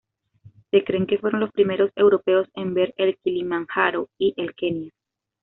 Se cree que fueron los primeros europeos en ver el Kilimanjaro y el Kenia.